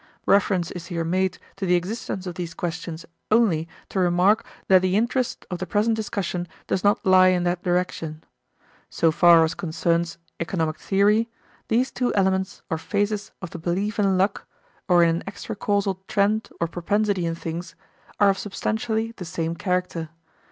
Reference is here made to the existence of these questions only to remark that the interest of the present discussion does not lie in that direction. So far as concerns economic theory, these two elements or phases of the belief in luck, or in an extra causal trend or propensity in things, are of substantially the same character.